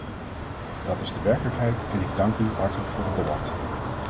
Dat is de werkelijkheid en ik dank u hartelijk voor het debat.